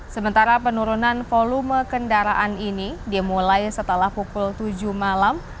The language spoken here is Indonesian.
sementara penurunan volume kendaraan ini dimulai setelah pukul tujuh malam